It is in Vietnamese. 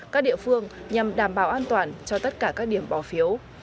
các địa phương nhằm đảm bảo an toàn cho tất cả các điểm bỏ phiếu